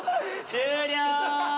終了！